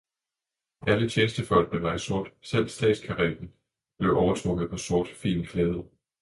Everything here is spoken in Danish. alle tjenestefolkene var i sort, selv stadskareten blev overtrukket med sort, fint klæde.